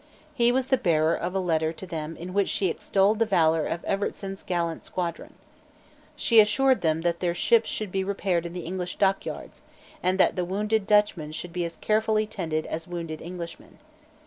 He was the bearer of a letter to them in which she extolled the valour of Evertsen's gallant squadron. She assured them that their ships should be repaired in the English dockyards, and that the wounded Dutchmen should be as carefully tended as wounded Englishmen.